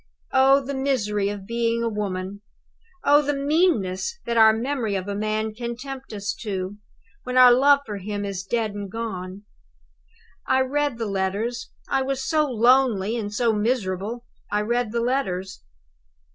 Oh, the misery of being a woman! Oh, the meanness that our memory of a man can tempt us to, when our love for him is dead and gone! I read the letters I was so lonely and so miserable, I read the letters.